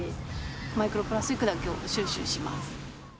マイクロプラスチックだけを収集します。